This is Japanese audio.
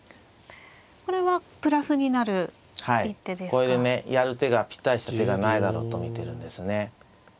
これでねやる手がぴったりした手がないだろうと見てるんですね。